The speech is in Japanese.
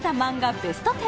ベスト１０